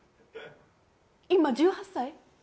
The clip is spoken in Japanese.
今１８歳？